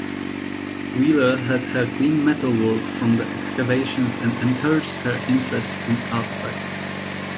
Wheeler had her clean metalwork from the excavations and encouraged her interest in artefacts.